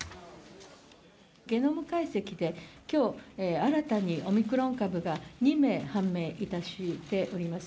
ゲノム解析で、きょう、新たにオミクロン株が２名判明いたしております。